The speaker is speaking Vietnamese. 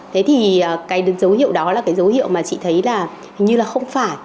thế thì cái dấu hiệu đó là cái dấu hiệu mà chị thấy là hình như là không phải